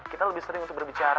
kita lebih sering untuk berbicara